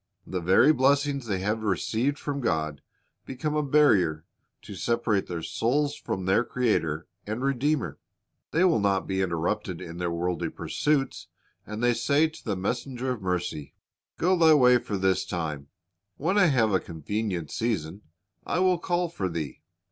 The very blessings they have received' from God become a barrier to separate their souls from their Creator and Redeemer. They will not be interrupted in their worldly pursuits, and they say to the messenger of mercy, "Go thy way for this time; when I have a convenient season, I will call for thee.